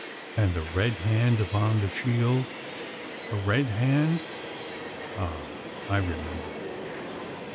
And the red hand upon the shield? A red hand? Ah! I remember.